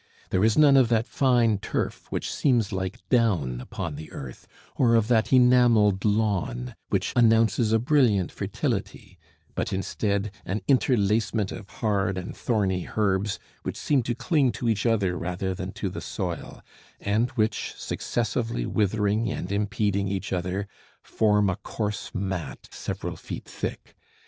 There is none of that fine turf which seems like down upon the earth, or of that enameled lawn which announces a brilliant fertility; but instead an interlacement of hard and thorny herbs which seem to cling to each other rather than to the soil, and which, successively withering and impeding each other, form a coarse mat several feet thick.